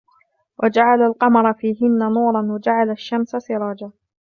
وَجَعَلَ الْقَمَرَ فِيهِنَّ نُورًا وَجَعَلَ الشَّمْسَ سِرَاجًا